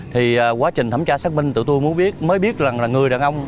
thì quá trình thẩm tra xác minh tụi tôi muốn biết mới biết rằng là người đàn ông